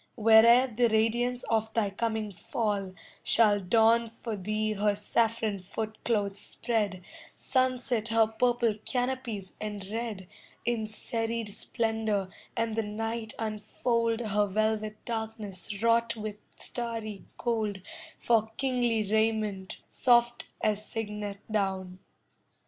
Where'er the radiance of thy coming fall, Shall dawn for thee her saffron footcloths spread, Sunset her purple canopies and red, In serried splendour, and the night unfold Her velvet darkness wrought with starry gold For kingly raiment, soft as cygnet down.